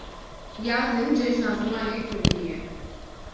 Ya din Cejna Zimanê Kurdî ye.